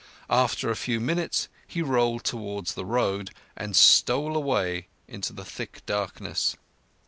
After a few minutes he rolled towards the road and stole away into the thick darkness.